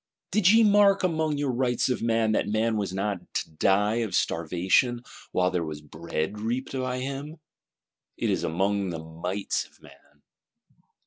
Did ye mark among your Rights of Man, that man was not to die of starvation, while there was bread reaped by him? It is among the Mights of Man.